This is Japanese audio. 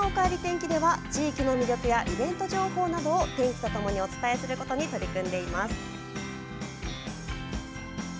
「みんなのおかえり天気」では地域の魅力やイベント情報などを天気とともにお伝えすることに取り組んでいます。